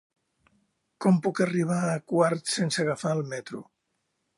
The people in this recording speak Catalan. Com puc arribar a Quart sense agafar el metro?